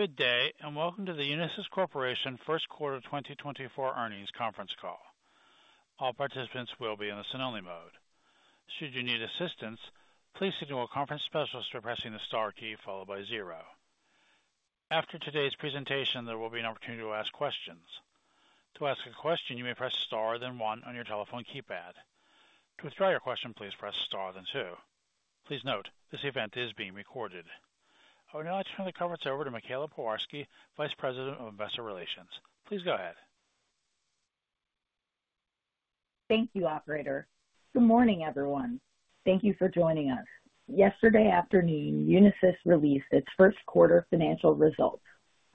Good day, and welcome to the Unisys Corporation first quarter 2024 earnings conference call. All participants will be in the listen-only mode. Should you need assistance, please signal a conference specialist by pressing the star key followed by zero. After today's presentation, there will be an opportunity to ask questions. To ask a question, you may press star, then one on your telephone keypad. To withdraw your question, please press star, then two. Please note, this event is being recorded. I would now like to turn the conference over to Michaela Pewarski, Vice President of Investor Relations. Please go ahead. Thank you, operator. Good morning, everyone. Thank you for joining us. Yesterday afternoon, Unisys released its first quarter financial results.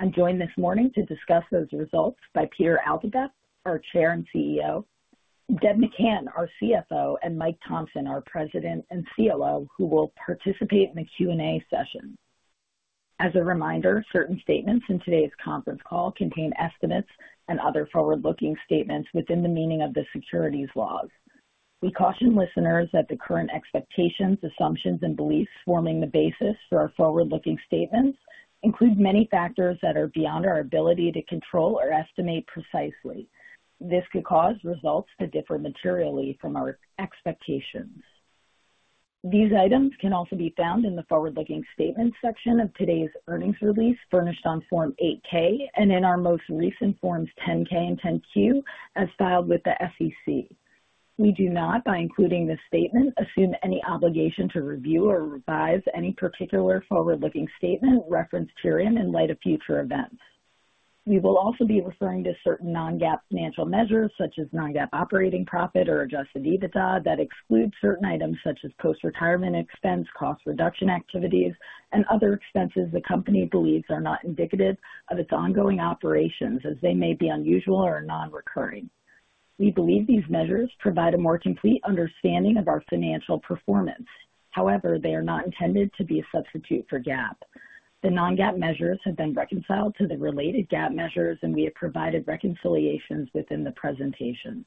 I'm joined this morning to discuss those results by Peter Altabef, our Chair and CEO, Deb McCann, our CFO, and Mike Thomson, our President and COO, who will participate in the Q&A session. As a reminder, certain statements in today's conference call contain estimates and other forward-looking statements within the meaning of the securities laws. We caution listeners that the current expectations, assumptions, and beliefs forming the basis for our forward-looking statements include many factors that are beyond our ability to control or estimate precisely. This could cause results to differ materially from our expectations. These items can also be found in the Forward-Looking Statements section of today's earnings release, furnished on Form 8-K, and in our most recent Forms 10-K and 10-Q, as filed with the SEC. We do not, by including this statement, assume any obligation to review or revise any particular forward-looking statement referenced herein in light of future events. We will also be referring to certain non-GAAP financial measures, such as non-GAAP operating profit or Adjusted EBITDA, that excludes certain items such as post-retirement expense, cost reduction activities, and other expenses the company believes are not indicative of its ongoing operations as they may be unusual or non-recurring. We believe these measures provide a more complete understanding of our financial performance. However, they are not intended to be a substitute for GAAP. The non-GAAP measures have been reconciled to the related GAAP measures, and we have provided reconciliations within the presentation.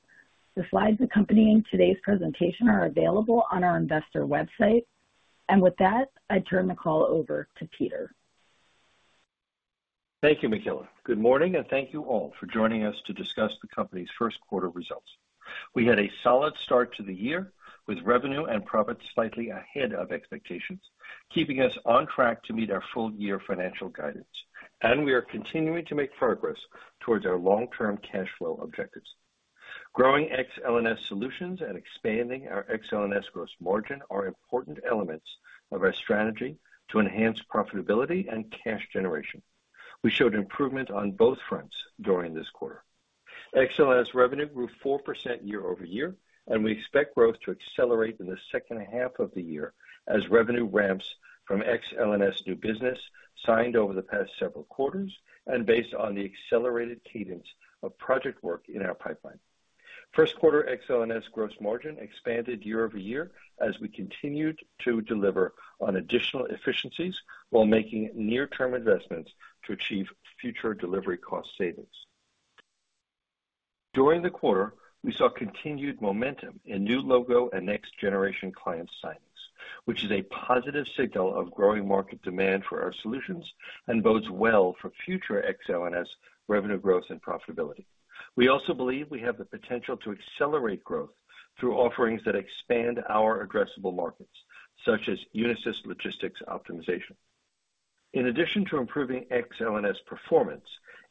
The slides accompanying today's presentation are available on our investor website. With that, I turn the call over to Peter. Thank you, Michaela. Good morning, and thank you all for joining us to discuss the company's first quarter results. We had a solid start to the year, with revenue and profit slightly ahead of expectations, keeping us on track to meet our full-year financial guidance, and we are continuing to make progress towards our long-term cash flow objectives. Growing Ex-L&S solutions and expanding our Ex-L&S gross margin are important elements of our strategy to enhance profitability and cash generation. We showed improvement on both fronts during this quarter. Ex-L&S revenue grew 4% year-over-year, and we expect growth to accelerate in the second half of the year as revenue ramps from Ex-L&S new business signed over the past several quarters and based on the accelerated cadence of project work in our pipeline. First-quarter Ex-L&S gross margin expanded year-over-year as we continued to deliver on additional efficiencies while making near-term investments to achieve future delivery cost savings. During the quarter, we saw continued momentum in new logo and next-generation client signings, which is a positive signal of growing market demand for our solutions and bodes well for future Ex-L&S revenue growth and profitability. We also believe we have the potential to accelerate growth through offerings that expand our addressable markets, such as Unisys Logistics Optimization. In addition to improving Ex-L&S performance,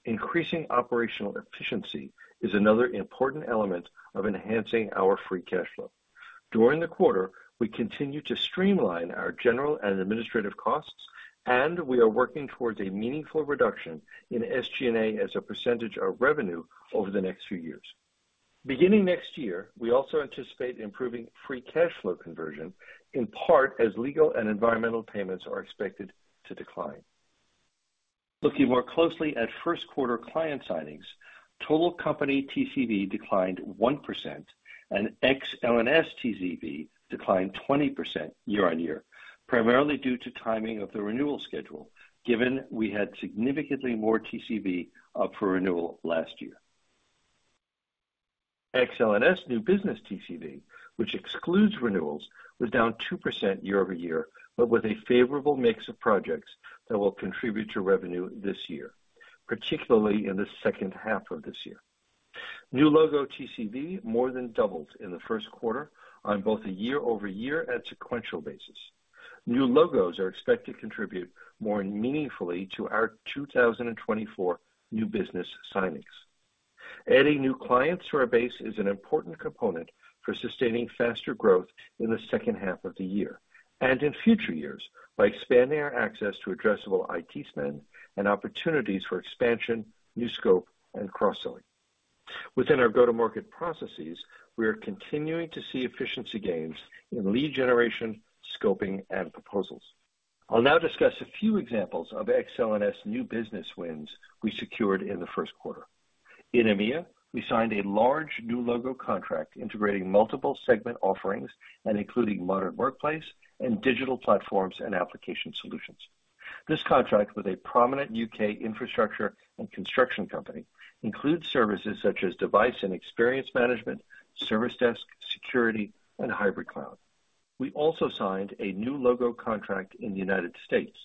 increasing operational efficiency is another important element of enhancing our free cash flow. During the quarter, we continued to streamline our general and administrative costs, and we are working towards a meaningful reduction in SG&A as a percentage of revenue over the next few years. Beginning next year, we also anticipate improving free cash flow conversion, in part, as legal and environmental payments are expected to decline. Looking more closely at first quarter client signings, total company TCV declined 1% and Ex-L&S TCV declined 20% year-over-year, primarily due to timing of the renewal schedule, given we had significantly more TCV up for renewal last year. Ex-L&S new business TCV, which excludes renewals, was down 2% year-over-year, but with a favorable mix of projects that will contribute to revenue this year, particularly in the second half of this year. New logo TCV more than doubled in the first quarter on both a year-over-year and sequential basis. New logos are expected to contribute more meaningfully to our 2024 new business signings. Adding new clients to our base is an important component for sustaining faster growth in the second half of the year and in future years by expanding our access to addressable IT spend and opportunities for expansion, new scope, and cross-selling. Within our go-to-market processes, we are continuing to see efficiency gains in lead generation, scoping, and proposals. I'll now discuss a few examples of Ex-L&S new business wins we secured in the first quarter. In EMEA, we signed a large new logo contract integrating multiple segment offerings and including modern workplace and digital platforms and application solutions. This contract with a prominent UK infrastructure and construction company includes services such as device and experience management, service desk, security, and hybrid cloud. We also signed a new logo contract in the United States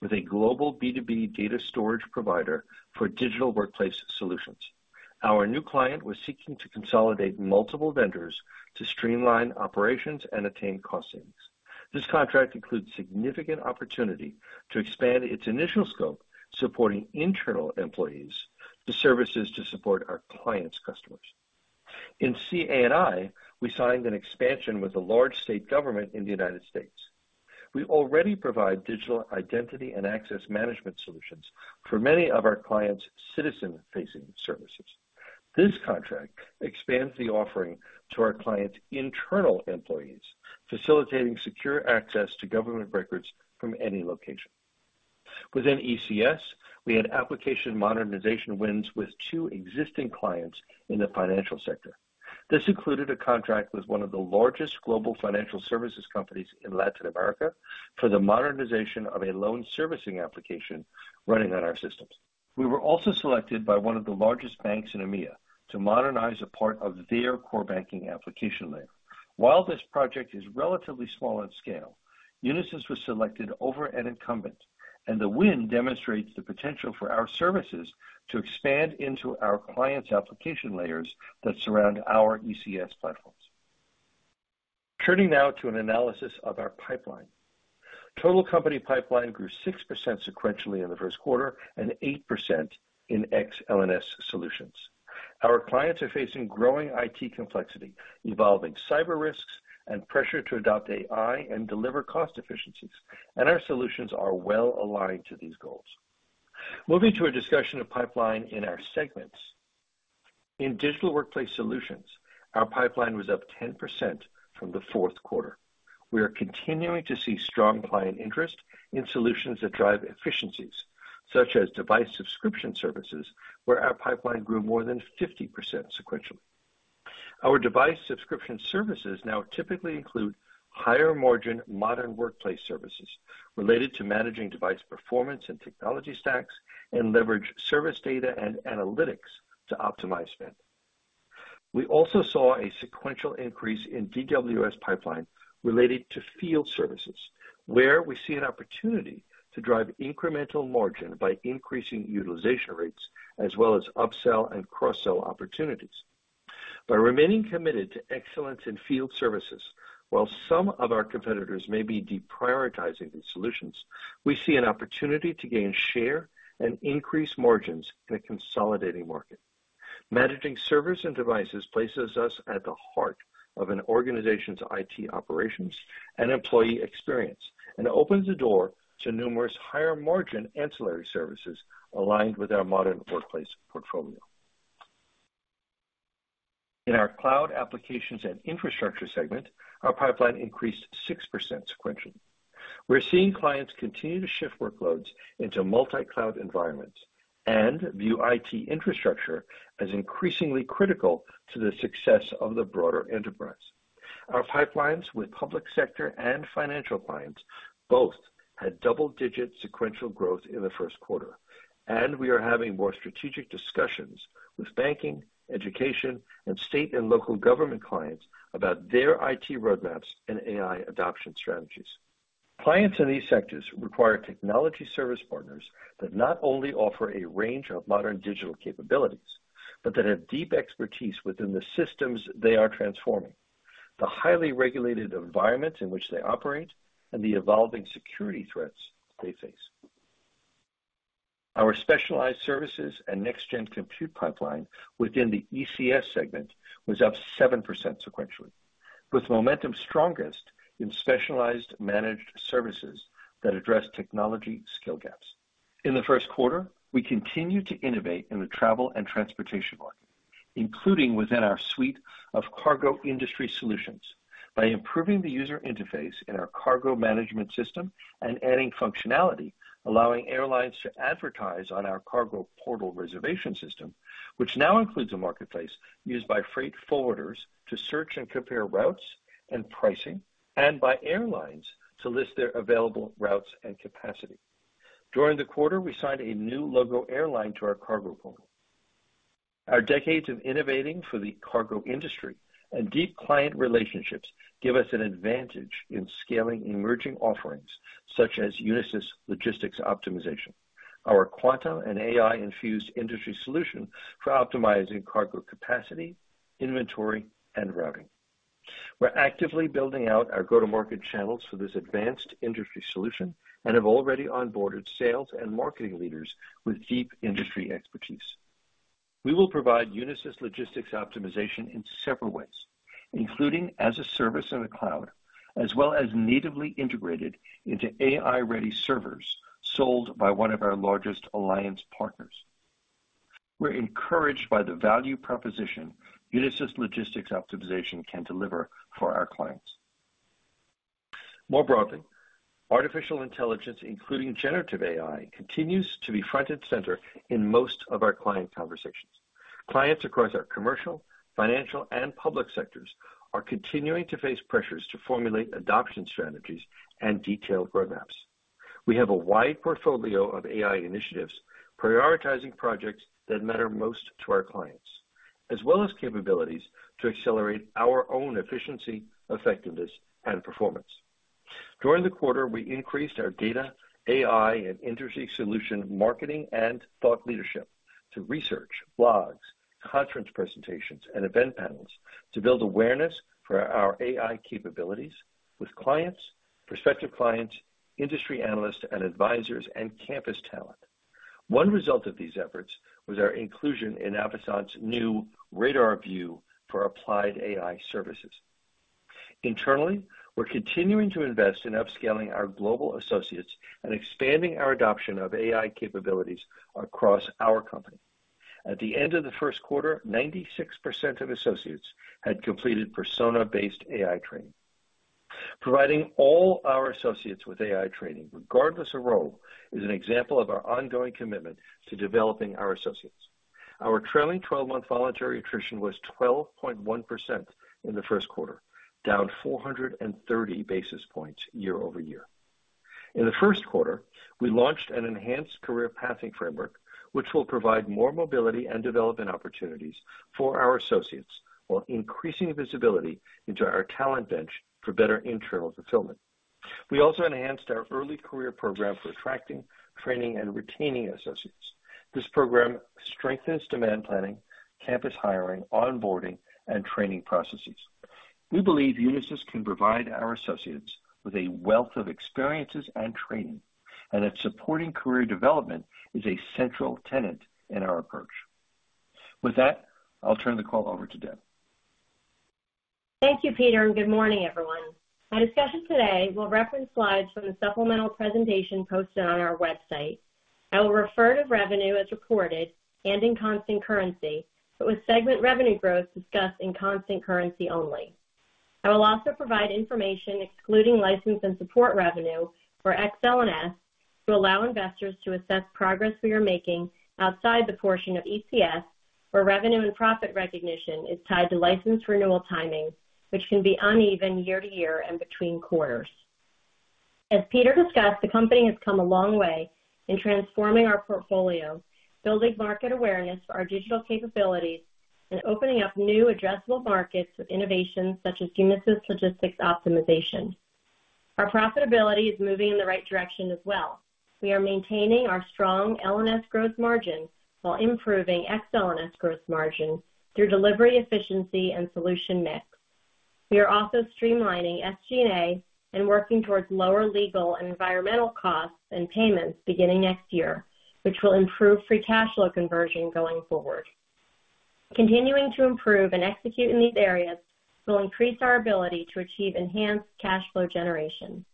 with a global B2B data storage provider for digital workplace solutions. Our new client was seeking to consolidate multiple vendors to streamline operations and attain cost savings. This contract includes significant opportunity to expand its initial scope, supporting internal employees to services to support our client's customers. In CA&I, we signed an expansion with a large state government in the United States. We already provide digital identity and access management solutions for many of our clients' citizen-facing services. This contract expands the offering to our client's internal employees, facilitating secure access to government records from any location. Within ECS, we had application modernization wins with two existing clients in the financial sector. This included a contract with one of the largest global financial services companies in Latin America for the modernization of a loan servicing application running on our systems. We were also selected by one of the largest banks in EMEA to modernize a part of their core banking application layer. While this project is relatively small in scale, Unisys was selected over an incumbent, and the win demonstrates the potential for our services to expand into our client's application layers that surround our ECS platforms. Turning now to an analysis of our pipeline. Total company pipeline grew 6% sequentially in the first quarter and 8% in Ex-L&S solutions. Our clients are facing growing IT complexity, evolving cyber risks, and pressure to adopt AI and deliver cost efficiencies, and our solutions are well aligned to these goals. Moving to a discussion of pipeline in our segments. In Digital Workplace Solutions, our pipeline was up 10% from the fourth quarter. We are continuing to see strong client interest in solutions that drive efficiencies, such as Device Subscription Services, where our pipeline grew more than 50% sequentially. Our Device Subscription Services now typically include higher margin modern workplace services related to managing device performance and technology stacks and leverage service data and analytics to optimize spend. We also saw a sequential increase in DWS pipeline related to field services, where we see an opportunity to drive incremental margin by increasing utilization rates as well as upsell and cross-sell opportunities. By remaining committed to excellence in field services, while some of our competitors may be deprioritizing these solutions, we see an opportunity to gain share and increase margins in a consolidating market. Managing servers and devices places us at the heart of an organization's IT operations and employee experience, and opens the door to numerous higher margin ancillary services aligned with our modern workplace portfolio. In our cloud applications and infrastructure segment, our pipeline increased 6% sequentially. We're seeing clients continue to shift workloads into multi-cloud environments and view IT infrastructure as increasingly critical to the success of the broader enterprise. Our pipelines with public sector and financial clients both had double-digit sequential growth in the first quarter, and we are having more strategic discussions with banking, education, and state and local government clients about their IT roadmaps and AI adoption strategies. Clients in these sectors require technology service partners that not only offer a range of modern digital capabilities, but that have deep expertise within the systems they are transforming, the highly regulated environment in which they operate, and the evolving security threats they face. Our specialized services and next-gen compute pipeline within the ECS segment was up 7% sequentially, with momentum strongest in specialized managed services that address technology skill gaps. In the first quarter, we continued to innovate in the travel and transportation market, including within our suite of cargo industry solutions, by improving the user interface in our cargo management system and adding functionality, allowing airlines to advertise on our cargo portal reservation system, which now includes a marketplace used by freight forwarders to search and compare routes and pricing, and by airlines to list their available routes and capacity. During the quarter, we signed a new logo airline to our cargo portal. Our decades of innovating for the cargo industry and deep client relationships give us an advantage in scaling emerging offerings such as Unisys Logistics Optimization, our quantum and AI-infused industry solution for optimizing cargo capacity, inventory, and routing. We're actively building out our go-to-market channels for this advanced industry solution and have already onboarded sales and marketing leaders with deep industry expertise. We will provide Unisys Logistics Optimization in several ways, including as a service in the cloud, as well as natively integrated into AI-ready servers sold by one of our largest alliance partners. We're encouraged by the value proposition Unisys Logistics Optimization can deliver for our clients. More broadly, artificial intelligence, including generative AI, continues to be front and center in most of our client conversations. Clients across our commercial, financial, and public sectors are continuing to face pressures to formulate adoption strategies and detailed roadmaps. We have a wide portfolio of AI initiatives, prioritizing projects that matter most to our clients, as well as capabilities to accelerate our own efficiency, effectiveness, and performance. During the quarter, we increased our data, AI, and industry solution marketing and thought leadership to research, blogs, conference presentations, and event panels to build awareness for our AI capabilities with clients, prospective clients, industry analysts and advisors, and campus talent. One result of these efforts was our inclusion in Avasant's new RadarView for applied AI services. Internally, we're continuing to invest in upscaling our global associates and expanding our adoption of AI capabilities across our company. At the end of the first quarter, 96% of associates had completed persona-based AI training. Providing all our associates with AI training, regardless of role, is an example of our ongoing commitment to developing our associates. Our trailing 12-month voluntary attrition was 12.1% in the first quarter, down 430 basis points year-over-year. In the first quarter, we launched an enhanced career pathing framework, which will provide more mobility and development opportunities for our associates, while increasing visibility into our talent bench for better internal fulfillment. We also enhanced our early career program for attracting, training, and retaining associates. This program strengthens demand planning, campus hiring, onboarding, and training processes. We believe Unisys can provide our associates with a wealth of experiences and training, and that supporting career development is a central tenet in our approach. With that, I'll turn the call over to Deb. Thank you, Peter, and good morning, everyone. My discussion today will reference slides from the supplemental presentation posted on our website. I will refer to revenue as reported and in constant currency, but with segment revenue growth discussed in constant currency only. I will also provide information, excluding license and support revenue for Ex-L&S, to allow investors to assess progress we are making outside the portion of ECS, where revenue and profit recognition is tied to license renewal timing, which can be uneven year-to-year and between quarters. As Peter discussed, the company has come a long way in transforming our portfolio, building market awareness for our digital capabilities, and opening up new addressable markets with innovations such as Unisys Logistics Optimization. Our profitability is moving in the right direction as well. We are maintaining our strong L&S gross margin while improving Ex-L&S gross margin through delivery, efficiency, and solution mix. We are also streamlining SG&A and working towards lower legal and environmental costs and payments beginning next year, which will improve free cash flow conversion going forward. Continuing to improve and execute in these areas will increase our ability to achieve enhanced cash flow generation.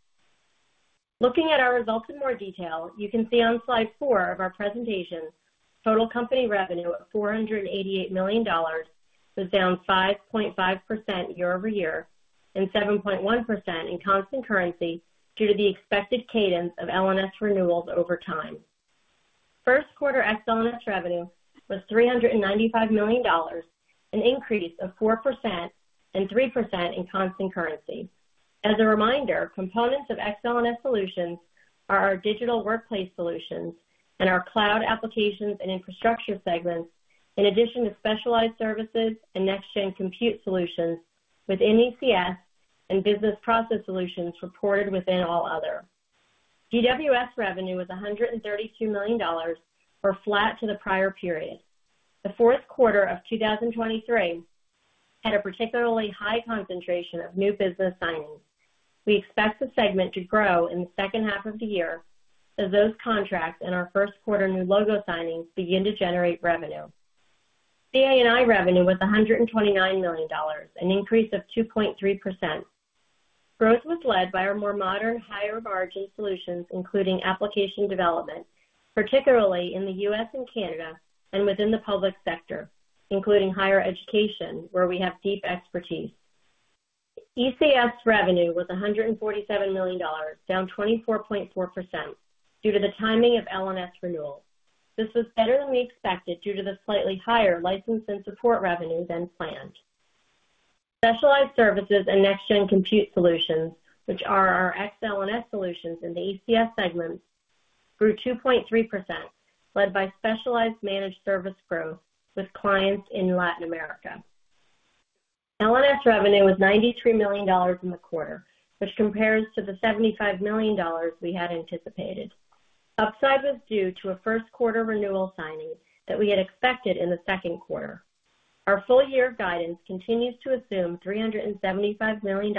Looking at our results in more detail, you can see on Slide 4 of our presentation, total company revenue at $488 million was down 5.5% year-over-year and 7.1% in constant currency due to the expected cadence of L&S renewals over time. First quarter Ex-L&S revenue was $395 million, an increase of 4% and 3% in constant currency. As a reminder, components of Ex-L&S solutions are our digital workplace solutions and our cloud applications and infrastructure segments, in addition to specialized services and next-gen compute solutions within ECS and business process solutions reported within all other. DWS revenue was $132 million or flat to the prior period. The fourth quarter of 2023 had a particularly high concentration of new business signings. We expect the segment to grow in the second half of the year as those contracts and our first quarter new logo signings begin to generate revenue. CA&I revenue was $129 million, an increase of 2.3%. Growth was led by our more modern, higher margin solutions, including application development, particularly in the US and Canada and within the public sector, including higher education, where we have deep expertise. ECS revenue was $147 million, down 24.4% due to the timing of L&S renewals. This was better than we expected due to the slightly higher license and support revenue than planned. Specialized services and next-gen compute solutions, which are our Ex-L&S solutions in the ECS segment, grew 2.3%, led by specialized managed service growth with clients in Latin America. L&S revenue was $93 million in the quarter, which compares to the $75 million we had anticipated. Upside was due to a first quarter renewal signing that we had expected in the second quarter. Our full year guidance continues to assume $375 million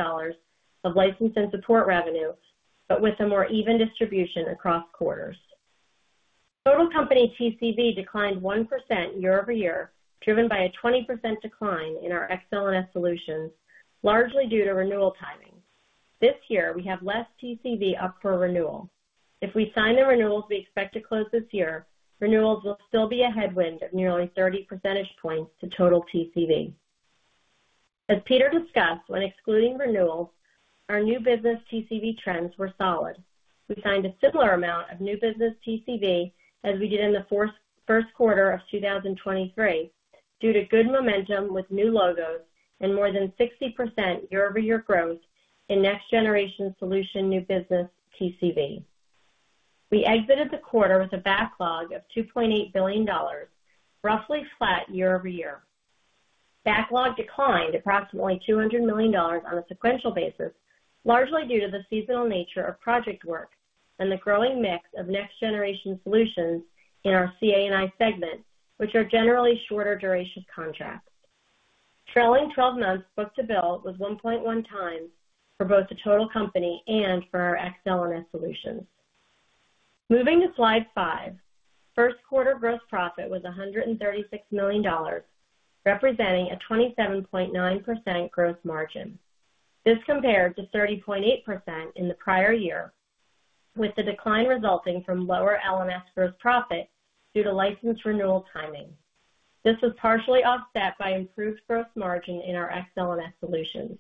of license and support revenue, but with a more even distribution across quarters. Total company TCV declined 1% year-over-year, driven by a 20% decline in our Ex-L&S solutions, largely due to renewal timing. This year, we have less TCV up for renewal. If we sign the renewals we expect to close this year, renewals will still be a headwind of nearly 30 percentage points to total TCV. As Peter discussed, when excluding renewals, our new business TCV trends were solid. We signed a similar amount of new business TCV as we did in the first quarter of 2023 due to good momentum with new logos and more than 60% year-over-year growth in next generation solution new business TCV. We exited the quarter with a backlog of $2.8 billion, roughly flat year-over-year. Backlog declined approximately $200 million on a sequential basis, largely due to the seasonal nature of project work and the growing mix of next-generation solutions in our CA&I segment, which are generally shorter duration contracts. Trailing twelve months book-to-bill was 1.1x for both the total company and for our Ex-L&S solutions. Moving to Slide 5. First quarter gross profit was $136 million, representing a 27.9% gross margin. This compared to 30.8% in the prior year, with the decline resulting from lower L&S gross profit due to license renewal timing. This was partially offset by improved gross margin in our Ex-L&S solutions.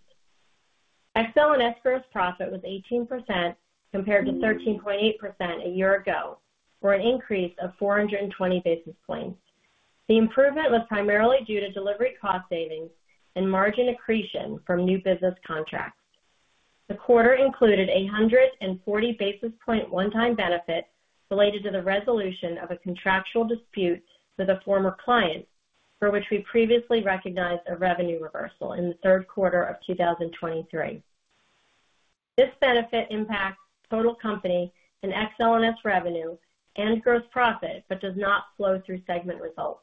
Ex-L&S gross profit was 18%, compared to 13.8% a year ago, for an increase of 420 basis points. The improvement was primarily due to delivery cost savings and margin accretion from new business contracts. The quarter included a 140 basis point one-time benefit related to the resolution of a contractual dispute with a former client, for which we previously recognized a revenue reversal in the third quarter of 2023. This benefit impacts total company and Ex-L&S revenue and gross profit, but does not flow through segment results.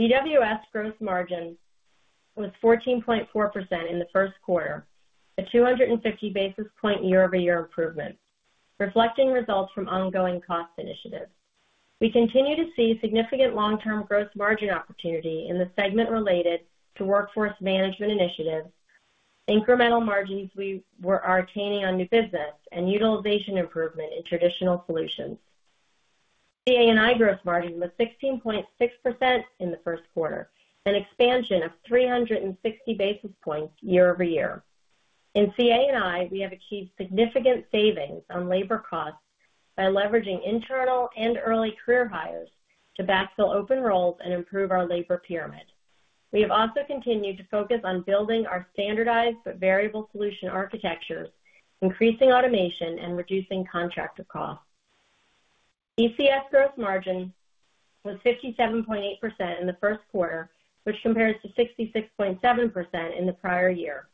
DWS gross margin was 14.4% in the first quarter, a 250 basis point year-over-year improvement, reflecting results from ongoing cost initiatives. We continue to see significant long-term gross margin opportunity in the segment related to workforce management initiatives, incremental margins we are attaining on new business and utilization improvement in traditional solutions. CA&I gross margin was 16.6% in the first quarter, an expansion of 360 basis points year-over-year. In CA&I, we have achieved significant savings on labor costs by leveraging internal and early career hires to backfill open roles and improve our labor pyramid. We have also continued to focus on building our standardized but variable solution architectures, increasing automation and reducing contractor costs. ECS gross margin was 57.8% in the first quarter, which compares to 66.7% in the prior year.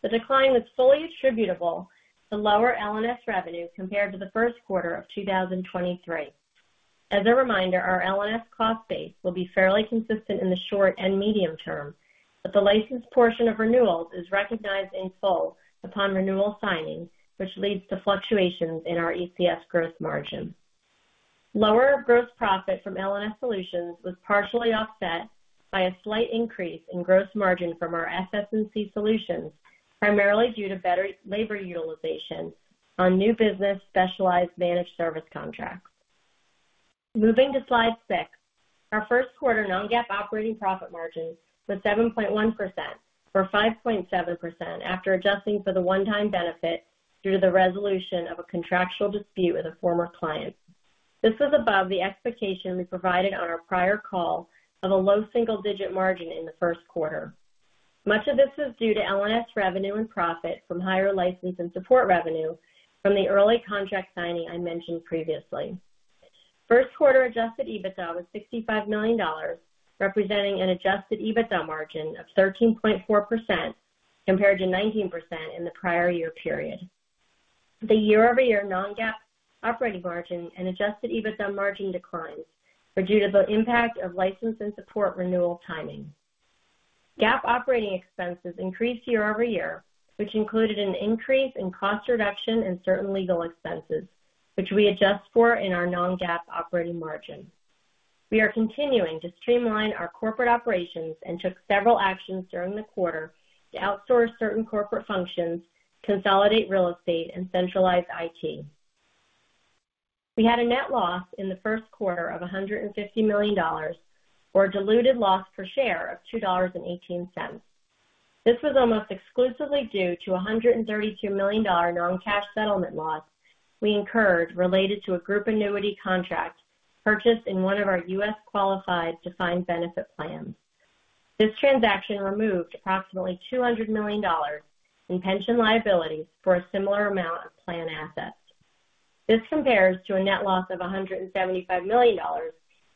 The decline was fully attributable to lower L&S revenue compared to the first quarter of 2023. As a reminder, our L&S cost base will be fairly consistent in the short and medium term, but the licensed portion of renewals is recognized in full upon renewal signing, which leads to fluctuations in our ECS gross margin. Lower gross profit from L&S solutions was partially offset by a slight increase in gross margin from our SS&C solutions, primarily due to better labor utilization on new business specialized managed service contracts. Moving to Slide 6. Our first quarter non-GAAP operating profit margin was 7.1%, or 5.7%, after adjusting for the one-time benefit due to the resolution of a contractual dispute with a former client. This is above the expectation we provided on our prior call of a low single-digit margin in the first quarter. Much of this is due to L&S revenue and profit from higher license and support revenue from the early contract signing I mentioned previously. First quarter adjusted EBITDA was $65 million, representing an adjusted EBITDA margin of 13.4%, compared to 19% in the prior year period. The year-over-year non-GAAP operating margin and Adjusted EBITDA margin declines are due to the impact of license and support renewal timing. GAAP operating expenses increased year-over-year, which included an increase in cost reduction and certain legal expenses, which we adjust for in our non-GAAP operating margin. We are continuing to streamline our corporate operations and took several actions during the quarter to outsource certain corporate functions, consolidate real estate, and centralize IT. We had a net loss in the first quarter of $150 million, or a diluted loss per share of $2.18. This was almost exclusively due to a $132 million non-cash settlement loss we incurred related to a group annuity contract purchased in one of our U.S. qualified defined benefit plans. This transaction removed approximately $200 million in pension liability for a similar amount of plan assets. This compares to a net loss of $175 million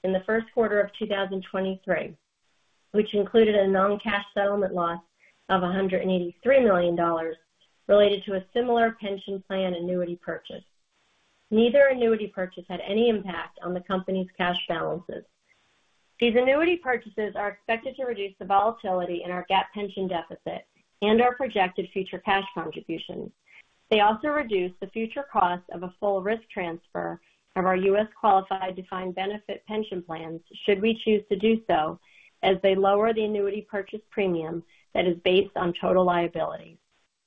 in the first quarter of 2023, which included a non-cash settlement loss of $183 million related to a similar pension plan annuity purchase. Neither annuity purchase had any impact on the company's cash balances. These annuity purchases are expected to reduce the volatility in our GAAP pension deficit and our projected future cash contributions. They also reduce the future cost of a full risk transfer of our U.S. qualified defined benefit pension plans, should we choose to do so, as they lower the annuity purchase premium that is based on total liability.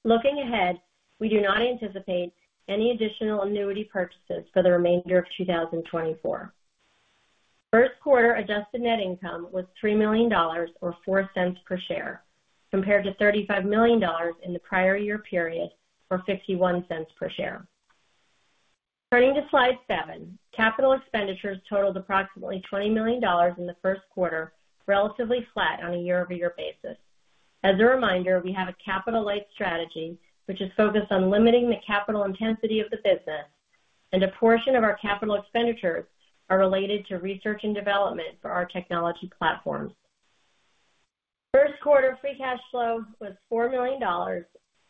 Looking ahead, we do not anticipate any additional annuity purchases for the remainder of 2024. First quarter adjusted net income was $3 million, or $0.04 per share, compared to $35 million in the prior year period, or $0.51 per share. Turning to Slide 7. Capital expenditures totaled approximately $20 million in the first quarter, relatively flat on a year-over-year basis. As a reminder, we have a capital-light strategy, which is focused on limiting the capital intensity of the business, and a portion of our capital expenditures are related to research and development for our technology platforms. First quarter free cash flow was $4 million,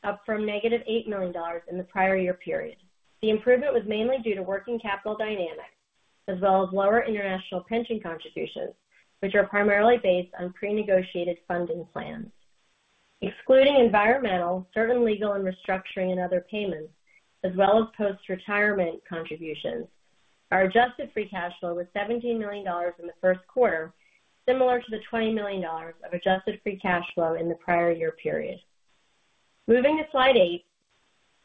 up from -$8 million in the prior year period. The improvement was mainly due to working capital dynamics, as well as lower international pension contributions, which are primarily based on pre-negotiated funding plans. Excluding environmental, certain legal and restructuring and other payments, as well as post-retirement contributions, our adjusted free cash flow was $17 million in the first quarter, similar to the $20 million of adjusted free cash flow in the prior year period. Moving to Slide 8,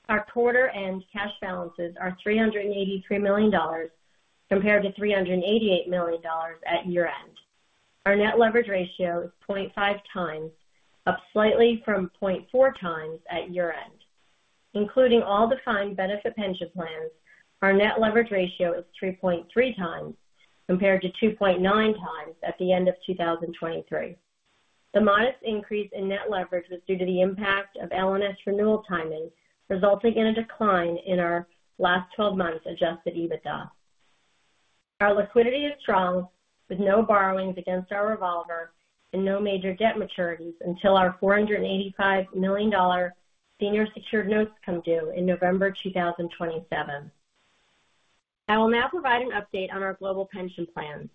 our quarter-end cash balances are $383 million, compared to $388 million at year-end. Our net leverage ratio is 0.5x, up slightly from 0.4x at year-end. Including all defined benefit pension plans, our net leverage ratio is 3.3x, compared to 2.9x at the end of 2023. The modest increase in net leverage was due to the impact of L&S renewal timing, resulting in a decline in our last twelve months adjusted EBITDA. Our liquidity is strong, with no borrowings against our revolver and no major debt maturities until our $485 million senior secured notes come due in November 2027. I will now provide an update on our global pension plans.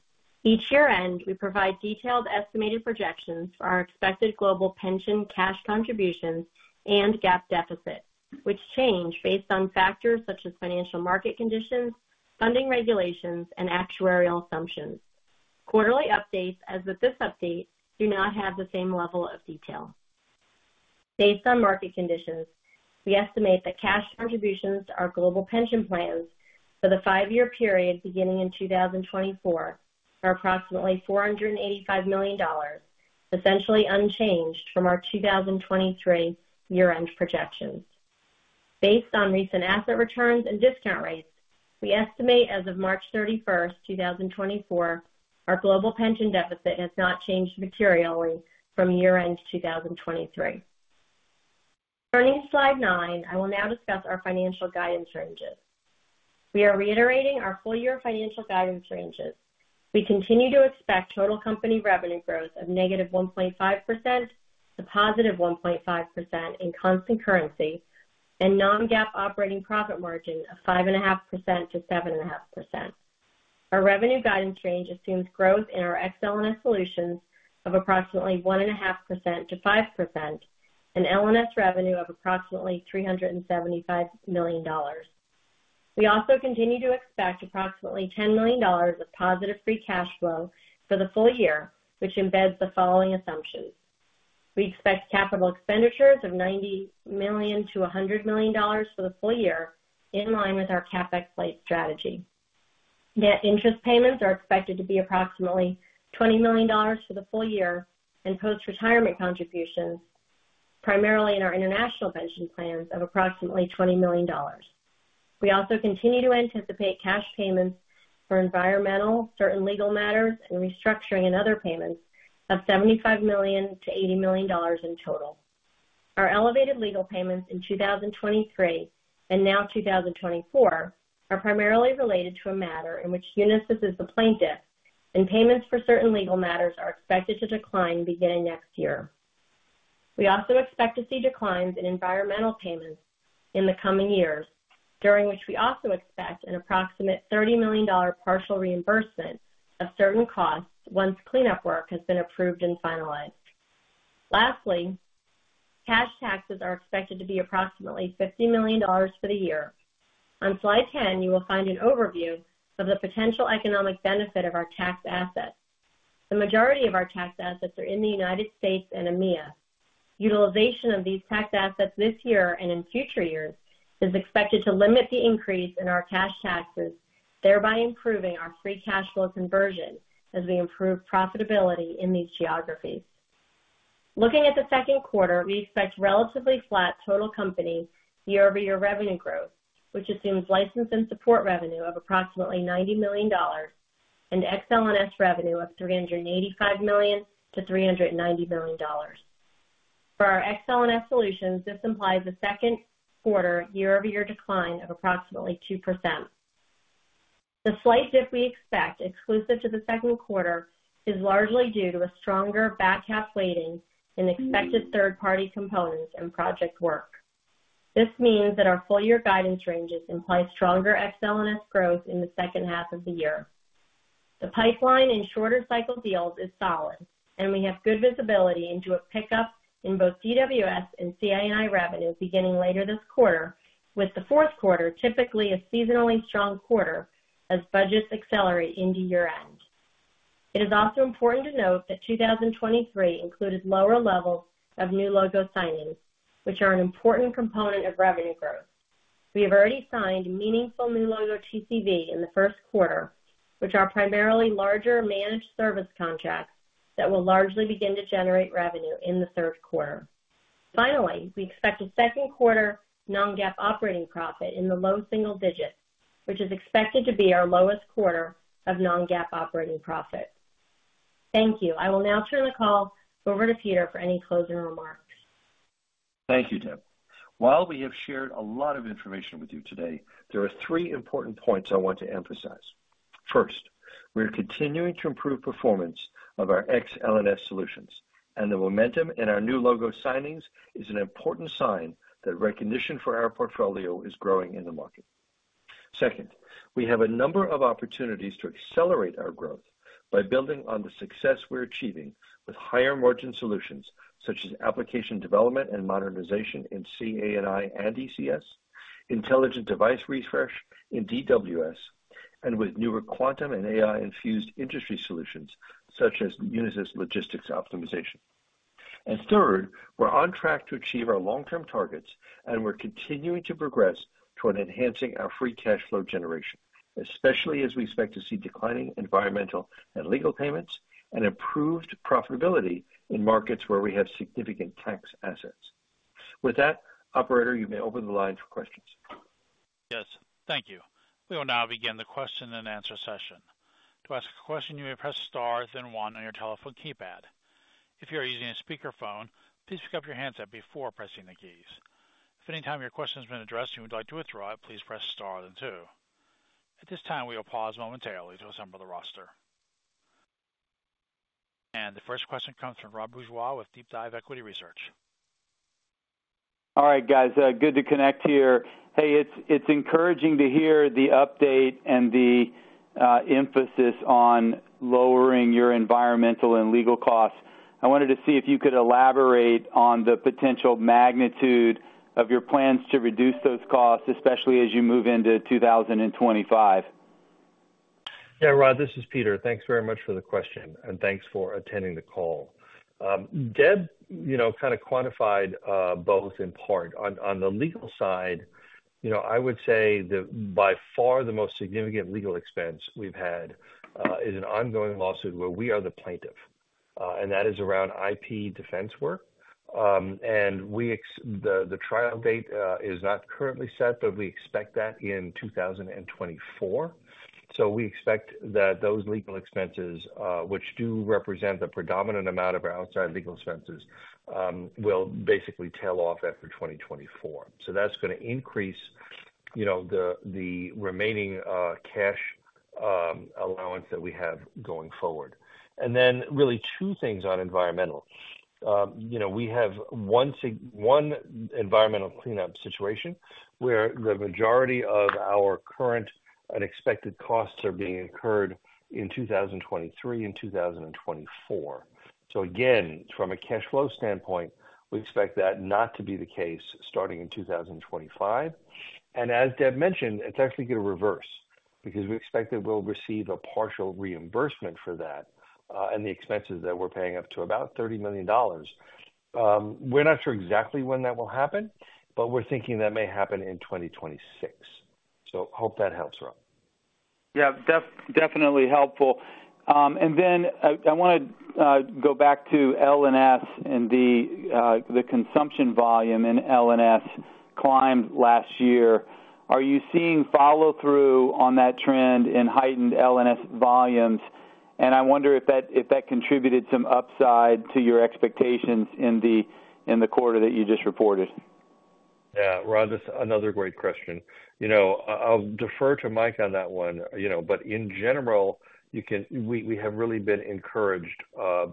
Each year-end, we provide detailed estimated projections for our expected global pension cash contributions and GAAP deficits, which change based on factors such as financial market conditions, funding regulations, and actuarial assumptions. Quarterly updates, as with this update, do not have the same level of detail. Based on market conditions, we estimate that cash contributions to our global pension plans for the five-year period, beginning in 2024, are approximately $485 million, essentially unchanged from our 2023 year-end projections. Based on recent asset returns and discount rates, we estimate as of March 31, 2024, our global pension deficit has not changed materially from year-end 2023. Turning to Slide 9, I will now discuss our financial guidance ranges. We are reiterating our full year financial guidance ranges. We continue to expect total company revenue growth of -1.5% -+1.5% in constant currency, and non-GAAP operating profit margin of 5.5%-7.5%. Our revenue guidance range assumes growth in our Ex-L&S solutions of approximately 1.5%-5% and L&S revenue of approximately $375 million. We also continue to expect approximately $10 million of positive free cash flow for the full year, which embeds the following assumptions: We expect capital expenditures of $90 million-$100 million for the full year, in line with our CapEx light strategy. Net interest payments are expected to be approximately $20 million for the full year, and post-retirement contributions, primarily in our international pension plans, of approximately $20 million. We also continue to anticipate cash payments for environmental, certain legal matters, and restructuring and other payments of $75 million-$80 million in total. Our elevated legal payments in 2023 and now 2024 are primarily related to a matter in which Unisys is the plaintiff, and payments for certain legal matters are expected to decline beginning next year. We also expect to see declines in environmental payments in the coming years, during which we also expect an approximate $30 million partial reimbursement of certain costs once cleanup work has been approved and finalized. Lastly, cash taxes are expected to be approximately $50 million for the year. On Slide 10, you will find an overview of the potential economic benefit of our tax assets. The majority of our tax assets are in the United States and EMEA. Utilization of these tax assets this year and in future years is expected to limit the increase in our cash taxes, thereby improving our free cash flow conversion as we improve profitability in these geographies. Looking at the second quarter, we expect relatively flat total company year-over-year revenue growth, which assumes License and Support revenue of approximately $90 million and Ex-L&S revenue of $385 million-$390 million. For our Ex-L&S solutions, this implies a second quarter year-over-year decline of approximately 2%. The slight dip we expect exclusive to the second quarter, is largely due to a stronger back half weighting in expected third-party components and project work. This means that our full year guidance ranges imply stronger Ex-L&S growth in the second half of the year. The pipeline in shorter cycle deals is solid, and we have good visibility into a pickup in both DWS and CA&I revenue beginning later this quarter, with the fourth quarter typically a seasonally strong quarter as budgets accelerate into year-end. It is also important to note that 2023 included lower levels of new logo signings, which are an important component of revenue growth. We have already signed meaningful new logo TCV in the first quarter, which are primarily larger managed service contracts that will largely begin to generate revenue in the third quarter. Finally, we expect a second quarter non-GAAP operating profit in the low single digits, which is expected to be our lowest quarter of non-GAAP operating profit. Thank you. I will now turn the call over to Peter for any closing remarks. Thank you, Deb. While we have shared a lot of information with you today, there are three important points I want to emphasize. First, we are continuing to improve performance of our Ex-L&S solutions, and the momentum in our new logo signings is an important sign that recognition for our portfolio is growing in the market. Second, we have a number of opportunities to accelerate our growth by building on the success we're achieving with higher-margin solutions, such as application development and modernization in CA&I and ECS, intelligent device refresh in DWS, and with newer quantum and AI-infused industry solutions, such as Unisys Logistics Optimization. Third, we're on track to achieve our long-term targets, and we're continuing to progress toward enhancing our free cash flow generation, especially as we expect to see declining environmental and legal payments and improved profitability in markets where we have significant tax assets. With that, operator, you may open the line for questions. Yes, thank you. We will now begin the question-and-answer session. To ask a question, you may press star, then one on your telephone keypad. If you are using a speakerphone, please pick up your handset before pressing the keys. If any time your question has been addressed, you would like to withdraw it, please press star then two. At this time, we will pause momentarily to assemble the roster. The first question comes from Rod Bourgeois with DeepDive Equity Research. All right, guys, good to connect here. Hey, it's, it's encouraging to hear the update and the emphasis on lowering your environmental and legal costs. I wanted to see if you could elaborate on the potential magnitude of your plans to reduce those costs, especially as you move into 2025. Yeah, Rod, this is Peter. Thanks very much for the question, and thanks for attending the call. Deb, you know, kind of quantified both in part. On the legal side, you know, I would say that by far the most significant legal expense we've had is an ongoing lawsuit where we are the plaintiff, and that is around IP defense work. And we expect the trial date is not currently set, but we expect that in 2024. So we expect that those legal expenses, which do represent the predominant amount of our outside legal expenses, will basically tail off after 2024. So that's gonna increase, you know, the remaining cash allowance that we have going forward. And then really two things on environmental. You know, we have one environmental cleanup situation where the majority of our current unexpected costs are being incurred in 2023 and 2024. So again, from a cash flow standpoint, we expect that not to be the case starting in 2025. And as Deb mentioned, it's actually going to reverse because we expect that we'll receive a partial reimbursement for that, and the expenses that we're paying up to about $30 million. We're not sure exactly when that will happen, but we're thinking that may happen in 2026. So hope that helps, Rod. Yeah, definitely helpful. And then I wanna go back to L&S and the consumption volume in L&S climbed last year. Are you seeing follow-through on that trend in heightened L&S volumes? And I wonder if that contributed some upside to your expectations in the quarter that you just reported. Yeah, Rod, that's another great question. You know, I, I'll defer to Mike on that one, you know, but in general, you can... We, we have really been encouraged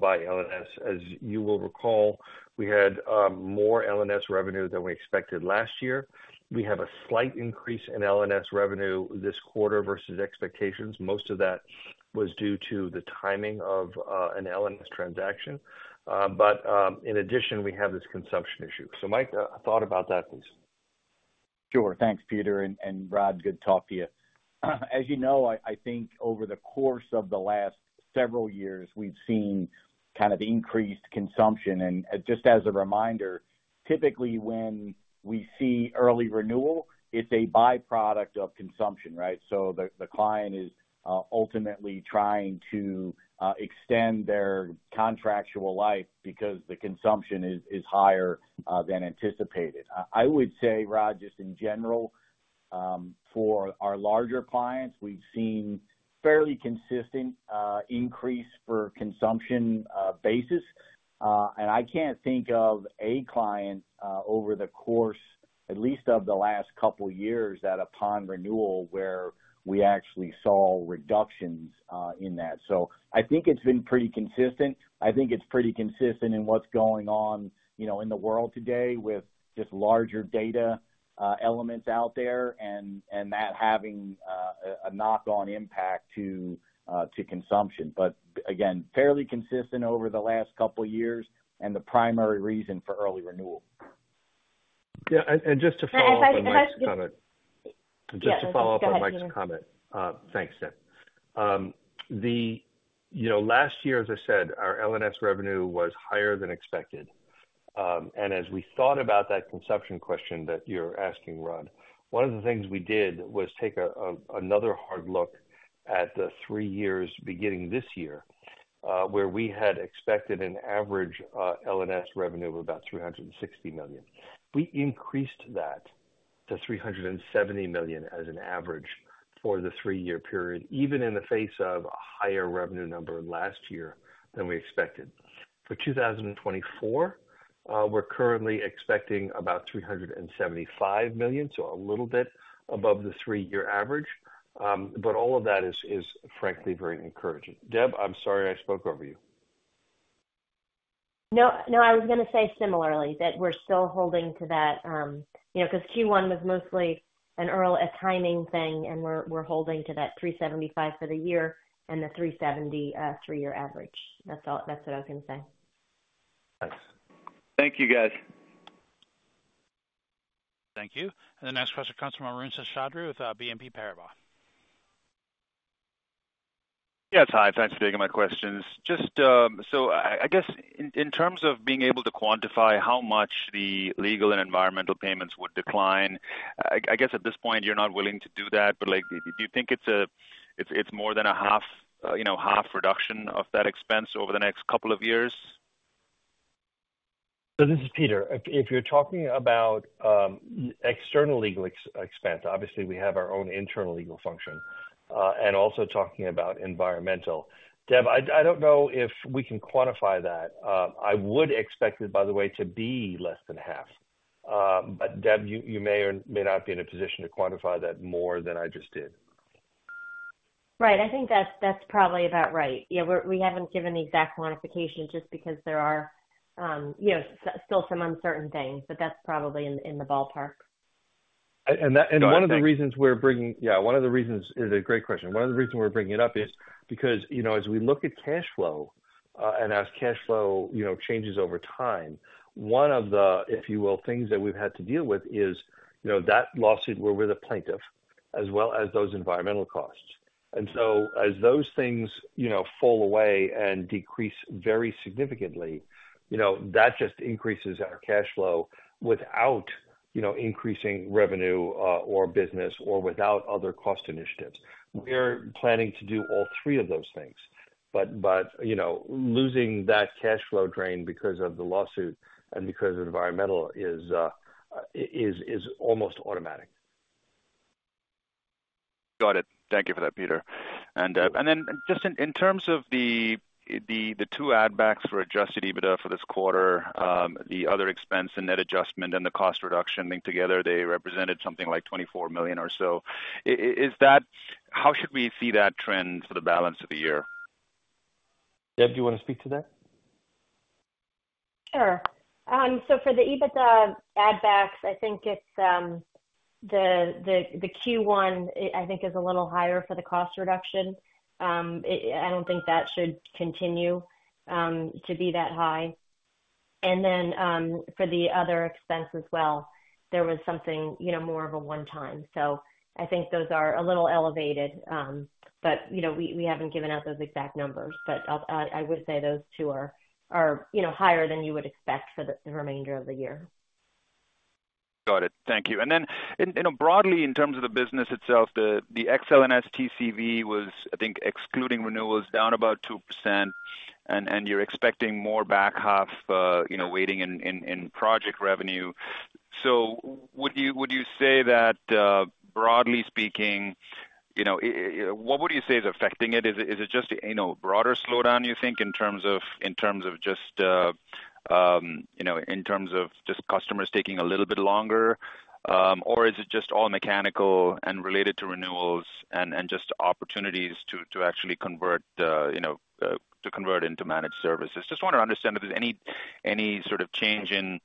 by L&S. As you will recall, we had more L&S revenue than we expected last year. We have a slight increase in L&S revenue this quarter versus expectations. Most of that was due to the timing of an L&S transaction. But in addition, we have this consumption issue. So Mike, a thought about that, please. Sure. Thanks, Peter, and, and Rod, good to talk to you. As you know, I think over the course of the last several years, we've seen kind of increased consumption. And just as a reminder, typically, when we see early renewal, it's a by-product of consumption, right? So the client is ultimately trying to extend their contractual life because the consumption is higher than anticipated. I would say, Rod, just in general, for our larger clients, we've seen fairly consistent increase for consumption basis. And I can't think of a client over the course, at least of the last couple of years, that upon renewal, where we actually saw reductions in that. So I think it's been pretty consistent. I think it's pretty consistent in what's going on, you know, in the world today with just larger data, elements out there and, and that having, a knock-on impact to, to consumption. But again, fairly consistent over the last couple of years and the primary reason for early renewal. Yeah, and just to follow up on Mike's comment- Yeah, go ahead, Peter. Just to follow up on Mike's comment. Thanks, Deb. You know, last year, as I said, our L&S revenue was higher than expected. And as we thought about that consumption question that you're asking, Rod, one of the things we did was take a another hard look at the three years beginning this year where we had expected an average L&S revenue of about $360 million. We increased that to $370 million as an average for the three-year period, even in the face of a higher revenue number last year than we expected. For 2024, we're currently expecting about $375 million, so a little bit above the three-year average. But all of that is frankly very encouraging. Deb, I'm sorry I spoke over you. No, no, I was gonna say similarly, that we're still holding to that, you know, because Q1 was mostly an early timing thing, and we're, we're holding to that $375 for the year and the $370 three-year average. That's, that's what I was gonna say. Thanks. Thank you, guys. Thank you. The next question comes from Arun Seshadri with BNP Paribas. Yes, hi. Thanks for taking my questions. Just, so I guess in terms of being able to quantify how much the legal and environmental payments would decline, I guess at this point, you're not willing to do that, but like, do you think it's more than a half, you know, half reduction of that expense over the next couple of years? So this is Peter. If you're talking about external legal expense, obviously we have our own internal legal function, and also talking about environmental. Deb, I don't know if we can quantify that. I would expect it, by the way, to be less than half. But Deb, you may or may not be in a position to quantify that more than I just did. Right, I think that's, that's probably about right. Yeah, we haven't given the exact quantification just because there are, you know, still some uncertain things, but that's probably in, in the ballpark. And that- Got it. Thanks. Yeah, one of the reasons, it's a great question. One of the reasons we're bringing it up is because, you know, as we look at cash flow, and as cash flow, you know, changes over time, one of the, if you will, things that we've had to deal with is, you know, that lawsuit where we're the plaintiff, as well as those environmental costs. And so as those things, you know, fall away and decrease very significantly, you know, that just increases our cash flow without, you know, increasing revenue, or business or without other cost initiatives. We're planning to do all three of those things, but, you know, losing that cash flow drain because of the lawsuit and because of environmental is almost automatic. Got it. Thank you for that, Peter. And then just in terms of the two add backs for Adjusted EBITDA for this quarter, the other expense and net adjustment and the cost reduction linked together, they represented something like $24 million or so. Is that how should we see that trend for the balance of the year? Deb, do you want to speak to that? Sure. So for the EBITDA add backs, I think it's the Q1 I think is a little higher for the cost reduction. I don't think that should continue to be that high. And then, for the other expense as well, there was something, you know, more of a one-time. So I think those are a little elevated, but, you know, we haven't given out those exact numbers, but I would say those two are, you know, higher than you would expect for the remainder of the year. Got it. Thank you. And then, you know, broadly, in terms of the business itself, the Ex-L&S TCV was, I think, excluding renewals, down about 2%, and you're expecting more back half, you know, weighting in project revenue. So would you say that, broadly speaking, you know, what would you say is affecting it? Is it just, you know, broader slowdown, you think, in terms of just customers taking a little bit longer? Or is it just all mechanical and related to renewals and just opportunities to actually convert, you know, to convert into managed services? Just want to understand if there's any sort of change in,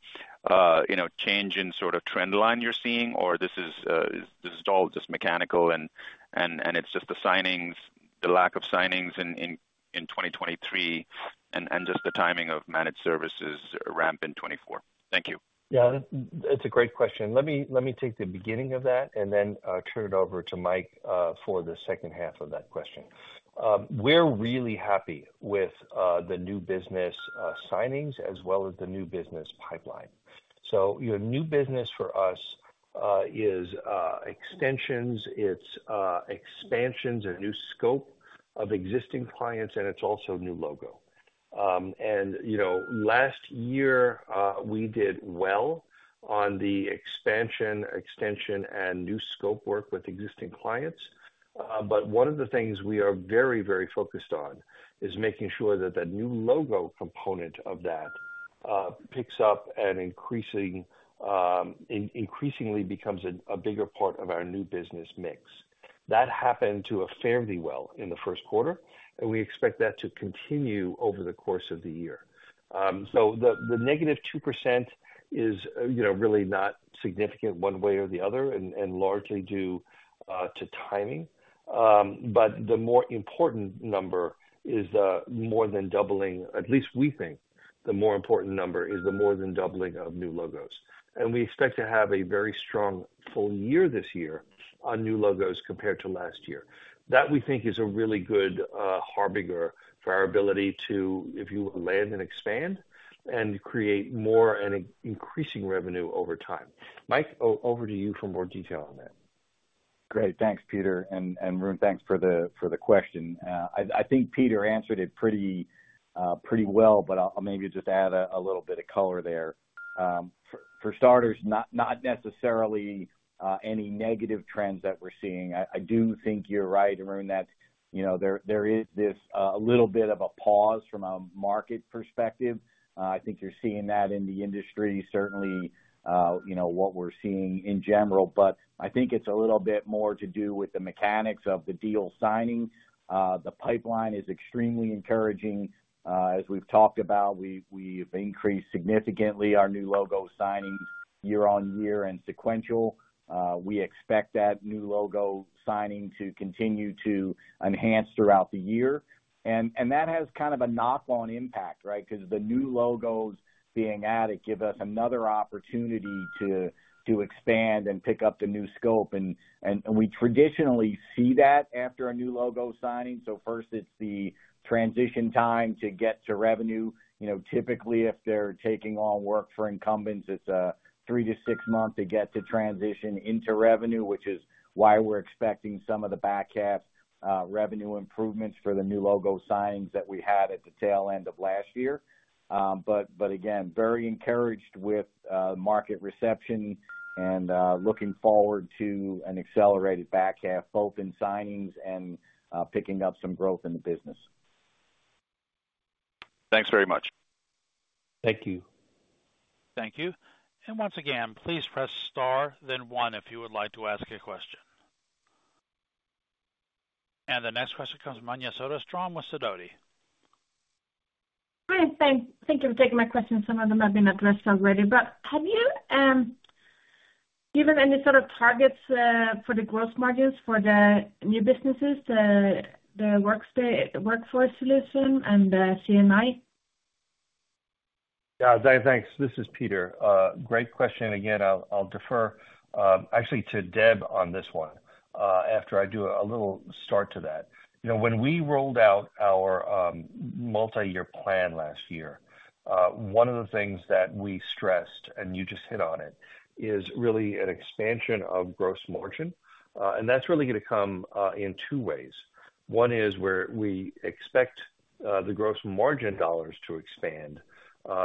you know, change in sort of trend line you're seeing, or this is all just mechanical and it's just the signings, the lack of signings in 2023 and just the timing of managed services ramp in 2024. Thank you. Yeah, that's a great question. Let me take the beginning of that and then turn it over to Mike for the second half of that question. We're really happy with the new business signings as well as the new business pipeline. So, you know, new business for us is extensions, it's expansions or new scope of existing clients, and it's also new logo. And, you know, last year we did well on the expansion, extension, and new scope work with existing clients. But one of the things we are very, very focused on is making sure that the new logo component of that picks up and increasingly becomes a bigger part of our new business mix. That happened to fare fairly well in the first quarter, and we expect that to continue over the course of the year. So the -2% is, you know, really not significant one way or the other and largely due to timing. But the more important number is more than doubling—at least we think the more important number is the more than doubling of new logos. And we expect to have a very strong full year this year on new logos compared to last year. That, we think, is a really good harbinger for our ability to, if you land and expand, and create more and increasing revenue over time. Mike, over to you for more detail on that. Great. Thanks, Peter, and Rune, thanks for the question. I think Peter answered it pretty well, but I'll maybe just add a little bit of color there. For starters, not necessarily any negative trends that we're seeing. I do think you're right, Rune, that you know there is this a little bit of a pause from a market perspective. I think you're seeing that in the industry, certainly you know what we're seeing in general. But I think it's a little bit more to do with the mechanics of the deal signing. The pipeline is extremely encouraging. As we've talked about, we've increased significantly our new logo signings year-on-year and sequential. We expect that new logo signing to continue to enhance throughout the year. That has kind of a knock-on impact, right? Because the new logos being added give us another opportunity to expand and pick up the new scope. We traditionally see that after a new logo signing. So first, it's the transition time to get to revenue. You know, typically, if they're taking on work for incumbents, it's a three to six months to get to transition into revenue, which is why we're expecting some of the back half revenue improvements for the new logo signings that we had at the tail end of last year. But again, very encouraged with market reception and looking forward to an accelerated back half, both in signings and picking up some growth in the business. Thanks very much. Thank you. Thank you. Once again, please press star then one, if you would like to ask a question. The next question comes from Anja Soderstrom with Sidoti. Hi, thank you for taking my question. Some of them have been addressed already, but have you given any sort of targets for the growth margins for the new businesses, the Workday, the Workforce solution and the CA&I? Yeah, Anja, thanks. This is Peter. Great question, and again, I'll defer, actually, to Deb on this one, after I do a little start to that. You know, when we rolled out our multi-year plan last year, one of the things that we stressed, and you just hit on it, is really an expansion of gross margin. And that's really going to come in two ways. One is where we expect the gross margin dollars to expand,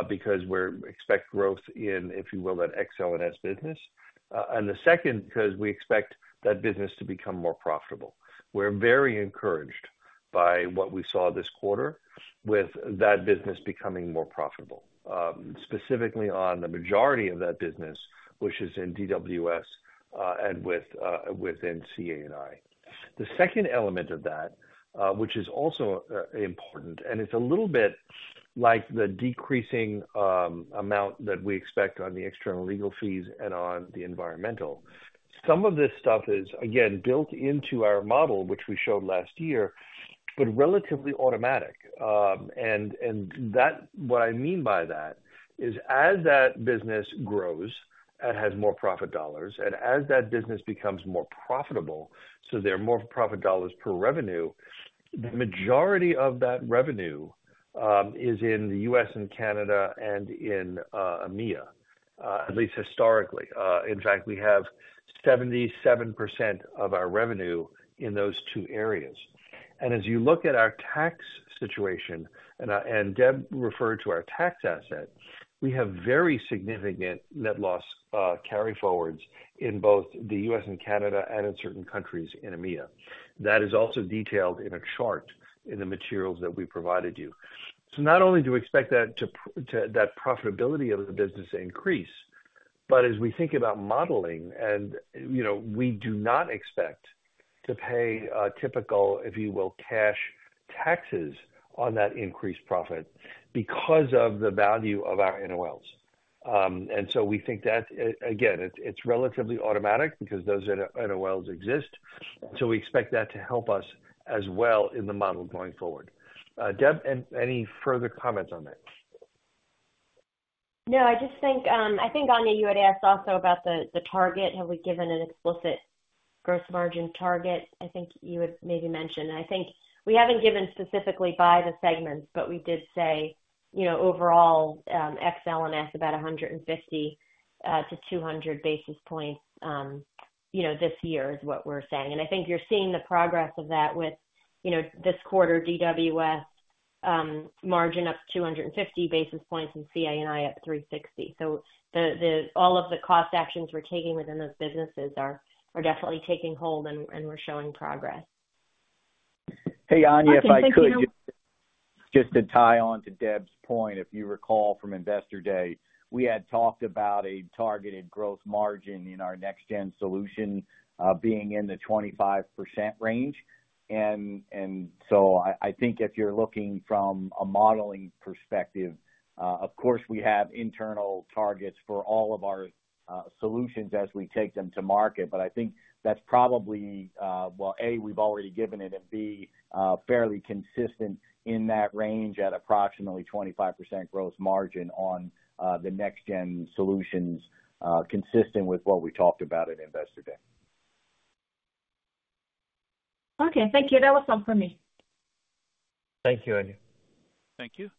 because we expect growth in, if you will, that Ex-L&S business. And the second, because we expect that business to become more profitable. We're very encouraged by what we saw this quarter with that business becoming more profitable, specifically on the majority of that business, which is in DWS, and within CA&I. The second element of that, which is also important, and it's a little bit like the decreasing amount that we expect on the external legal fees and on the environmental. Some of this stuff is, again, built into our model, which we showed last year, but relatively automatic. And that, what I mean by that, is as that business grows and has more profit dollars, and as that business becomes more profitable, so there are more profit dollars per revenue, the majority of that revenue is in the U.S. and Canada and in EMEA, at least historically. In fact, we have 77% of our revenue in those two areas. As you look at our tax situation, and Deb referred to our tax asset, we have very significant net loss carryforwards in both the U.S. and Canada and in certain countries in EMEA. That is also detailed in a chart in the materials that we provided you. So not only do we expect that profitability of the business to increase, but as we think about modeling and, you know, we do not expect to pay typical, if you will, cash taxes on that increased profit because of the value of our NOLs. And so we think that, again, it's relatively automatic because those NOLs exist, so we expect that to help us as well in the model going forward. Deb, any further comments on that? No, I just think, I think, Anja, you had asked also about the, the target. Have we given an explicit gross margin target? I think you had maybe mentioned. I think we haven't given specifically by the segments, but we did say, you know, overall, Ex-L&S, about 150-200 basis points, you know, this year is what we're saying. And I think you're seeing the progress of that with, you know, this quarter, DWS, margin up 250 basis points and CA&I at 360. So the, the all of the cost actions we're taking within those businesses are definitely taking hold, and we're showing progress. Hey, Anja, if I could- Okay. Thank you. Just to tie on to Deb's point, if you recall from Investor Day, we had talked about a targeted growth margin in our Next-Gen solution, being in the 25%-range. And, and so I, I think if you're looking from a modeling perspective, of course, we have internal targets for all of our, solutions as we take them to market, but I think that's probably, well, A, we've already given it, and B, fairly consistent in that range at approximately 25% gross margin on, the Next-Gen solutions, consistent with what we talked about at Investor Day. Okay, thank you. That was all for me. Thank you, Anja. Thank you.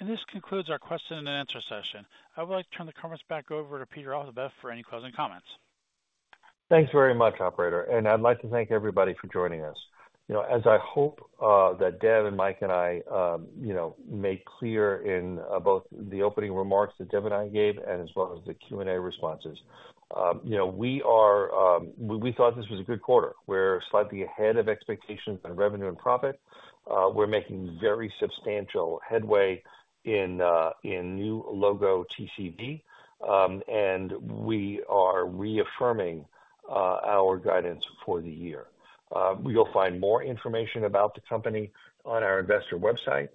This concludes our question-and-answer session. I would like to turn the conference back over to Peter Altabef for any closing comments. Thanks very much, operator, and I'd like to thank everybody for joining us. You know, as I hope that Deb and Mike and I you know made clear in both the opening remarks that Deb and I gave, and as well as the Q&A responses. You know, we are. We thought this was a good quarter. We're slightly ahead of expectations on revenue and profit. We're making very substantial headway in new logo TCV, and we are reaffirming our guidance for the year. You'll find more information about the company on our investor website.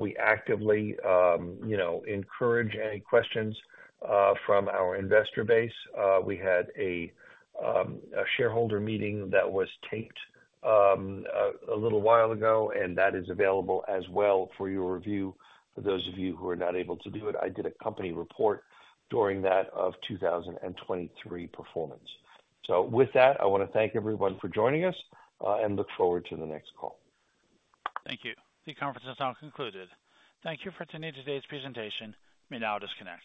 We actively you know encourage any questions from our investor base. We had a shareholder meeting that was taped a little while ago, and that is available as well for your review. For those of you who were not able to do it, I did a company report during that of 2023 performance. So with that, I want to thank everyone for joining us, and look forward to the next call. Thank you. The conference is now concluded. Thank you for attending today's presentation. You may now disconnect.